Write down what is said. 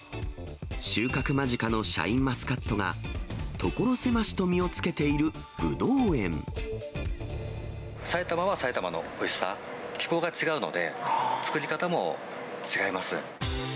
収穫間近のシャインマスカットが、埼玉は埼玉のおいしさ、気候が違うので、作り方も違います。